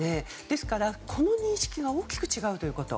ですから、この認識が大きく違うということ。